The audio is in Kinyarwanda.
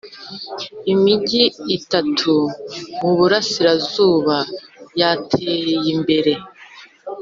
imigi itatu mu burasirazuba yateyimbere.